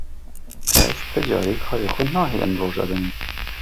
Ez ti carî karê xwe nahêlim roja dinê.